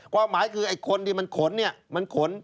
ความหมายคือไอ้คนที่มันขนเนี่ยมันขน